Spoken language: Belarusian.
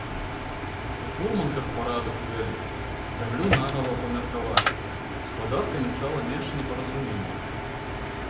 У фурманках парадак увялі, зямлю нанава памеркавалі, з падаткамі стала менш непаразуменняў.